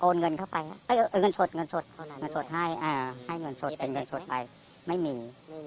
โอนเงินเข้าไปเงินสดให้เงินสดเป็นเงินสดไปไม่มี